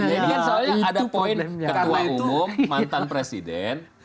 ini kan soalnya ada poin ketua umum mantan presiden